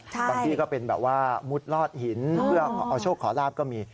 บางที่ก็เป็นแบบว่ามุดลอดหินเพื่อเอาโชคขอลาบก็มี